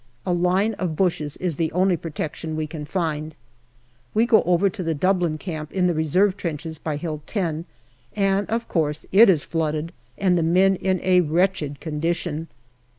A line of bushes is the only protection we can find. We go over to the Dublin camp in the reserve trenches by Hill 10, and, of course, it is flooded, and the men in a wretched condition.